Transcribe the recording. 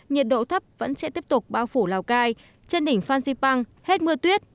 nhiệt độ thấp vẫn sẽ tiếp tục bao phủ lào cai chân đỉnh phan xipan hết mưa tuyết